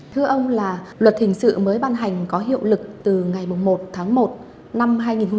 thưa ông là luật hình sự mới ban hành có hiệu lực từ ngày một tháng một năm hai nghìn một mươi chín